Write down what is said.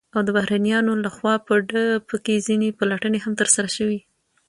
او د بهرنيانو لخوا په كې ځنې پلټنې هم ترسره شوې،